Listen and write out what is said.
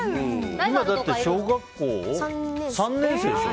今、だって小学校３年生でしょ。